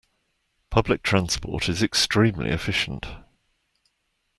Public transport is extremely efficient.